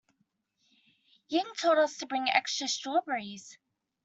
Ying told us to bring extra strawberries.